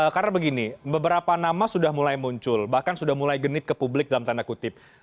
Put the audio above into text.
karena begini beberapa nama sudah mulai muncul bahkan sudah mulai genit ke publik dalam tanda kutip